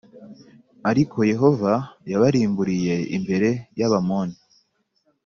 ariko yehova yabarimburiye+ imbere y’abamoni